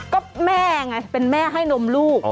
ก็แม่ไงเป็นแม่ให้นมลูก